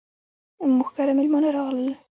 موږ کره ميلمانه راغلل.